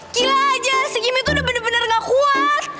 gila aja si kimmy tuh udah bener bener gak kuat